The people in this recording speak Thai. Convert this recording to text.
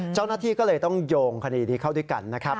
เจ้าหน้าที่ก็เลยต้องโยงคดีนี้เข้าด้วยกันนะครับ